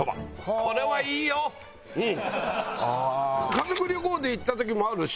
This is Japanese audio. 家族旅行で行った時もあるし。